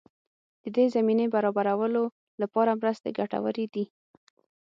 د دې زمینې برابرولو لپاره مرستې ګټورې دي.